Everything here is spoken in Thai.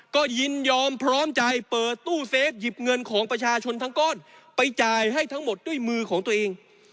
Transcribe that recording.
ก็ยินยอมพร้อมใจเปิดตู้เซฟหยิบเงินของประชาชนทั้งก้อนไปจ่ายให้ทั้งหมดด้วยมือของตัวเอง